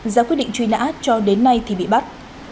ra quyết định truy nã cho đến nay thì bị bắt